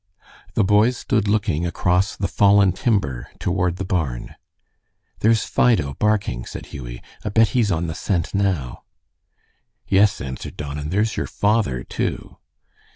The boys stood looking across the fallen timber toward the barn. "There's Fido barking," said Hughie. "I bet he's on the scent now." "Yes," answered Don, "and there's your father, too."